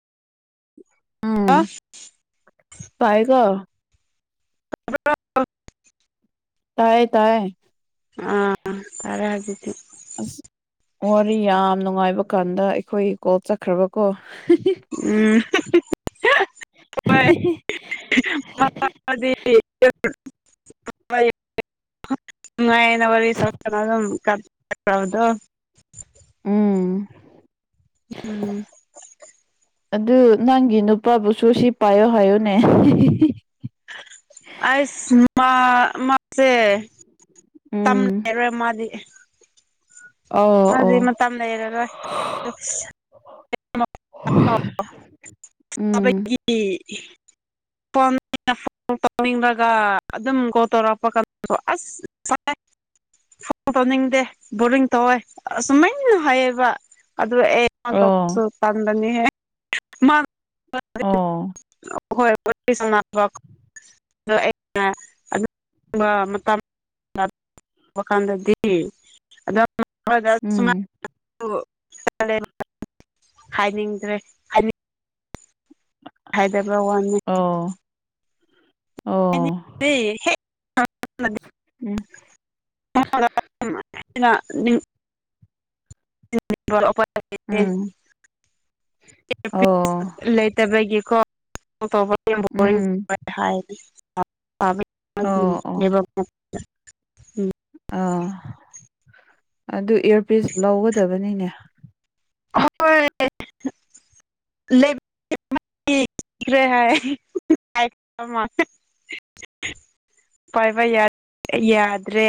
ꯎꯝ ꯄꯥꯏ ꯀꯣ ꯇꯥꯏꯌꯦ ꯇꯥꯏꯌꯦ ꯑꯥ ꯐꯔꯦ ꯑꯗꯨꯗꯤ ꯑꯁ ꯋꯥꯔꯤ ꯌꯥꯝ ꯅꯨꯡꯉꯥꯏꯕ ꯀꯥꯟꯗ ꯑꯩꯈꯣꯏ ꯀꯣꯞ ꯆꯠꯈ꯭ꯔꯕꯀꯣ ꯎꯝ [unintelligible] [unintelligible] [unintelligible] ꯎꯝ [unintelligible] ꯎꯝ ꯑꯗꯨ ꯅꯪꯒꯤ ꯅꯨꯄꯥꯕꯨꯁꯨ ꯁꯤ ꯄꯥꯏꯌꯣ ꯍꯥꯏꯌꯣꯅꯦ ꯑꯩꯁ ꯃꯥ ꯃꯥꯁꯦ ꯇꯝ ꯎꯝ ꯂꯩꯔꯣꯏ ꯃꯥꯗꯤ ꯑꯣ ꯃꯥꯏꯗꯤ ꯑꯣ ꯃꯇꯝ ꯂꯩꯔꯔꯣꯏ ꯎꯝ ꯑꯕꯒꯤ [unintelligible] [unintelligible] ꯇꯧꯅꯤꯡꯕꯒ ꯑꯗꯨꯝ ꯀꯣ ꯇꯧꯔꯛꯄ ꯀꯥꯟ [unintelligible] ꯑꯁ [unintelligible] ꯇꯧꯅꯤꯡꯗꯦ ꯕꯣꯔꯤꯡ ꯇꯧꯋꯦ ꯑꯁꯨꯃꯥꯏꯅ ꯍꯥꯏꯌꯦꯕ ꯑꯗꯨ ꯑꯦ [unintelligible] ꯑꯣ ꯇꯧꯕꯁꯨ ꯇꯟꯕꯅꯤꯍꯦ [unintelligible] ꯑꯣ [unintelligible] ꯋꯥꯈꯟꯗꯗꯤ ꯎꯝ [unintelligible] ꯍꯥꯏꯅꯤꯡꯗ꯭ꯔꯦ ꯍꯥꯏꯗꯕ ꯋꯥꯅꯤ ꯑꯣ ꯑꯣ [unintelligible] ꯍꯦꯛ [unintelligible] ꯎꯝ [unintelligible] ꯎꯝ ꯑꯣ ꯂꯩꯇꯕꯒꯤꯀꯣ ꯇꯧ ꯎꯝ ꯍꯥꯏꯗꯤ ꯑꯣ ꯑꯣ ꯂꯩꯕ ꯑꯥ ꯑꯗꯨ ꯏꯌꯥꯔꯄꯤꯤꯁ ꯂꯧꯒꯗꯕꯅꯤꯅꯦ ꯍꯣꯏ ꯂꯩ ꯭ꯔꯦ ꯍꯥꯏ ꯄꯥꯏꯕ ꯌꯥꯗ꯭ꯔꯦ